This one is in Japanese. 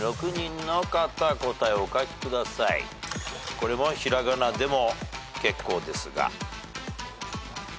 これも平仮名でも結構ですが。